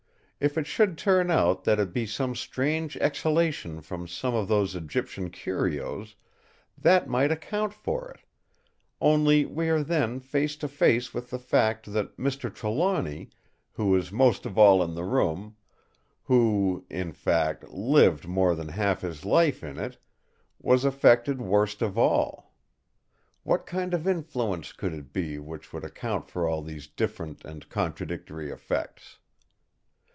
If it should turn out that it be some strange exhalation from some of those Egyptian curios, that might account for it; only, we are then face to face with the fact that Mr. Trelawny, who was most of all in the room—who, in fact, lived more than half his life in it—was affected worst of all. What kind of influence could it be which would account for all these different and contradictory effects?